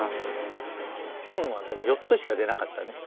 キュンはでも４つしか出なかったね。